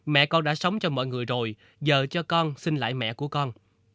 mẹ con đã sống cho mọi người rồi giờ cho con sinh lại mẹ của con